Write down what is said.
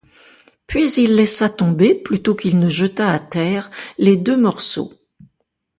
Puis il laissa tomber, plutôt qu'il ne jeta à terre les deux morceaux.